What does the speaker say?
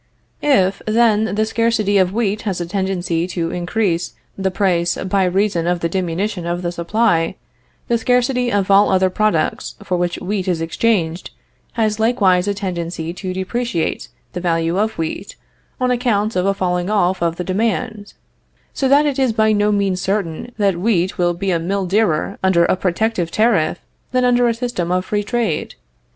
If, then, the scarcity of wheat has a tendency to increase the price by reason of the diminution of the supply, the scarcity of all other products for which wheat is exchanged has likewise a tendency to depreciate the value of wheat on account of a falling off of the demand; so that it is by no means certain that wheat will be a mill dearer under a protective tariff than under a system of free trade.